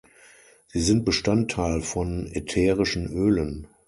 Sie sind Bestandteil von ätherischen Ölen.